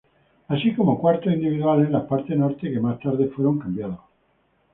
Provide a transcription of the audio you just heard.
Así como cuartos individuales en la parte norte que más tarde fueron cambiados.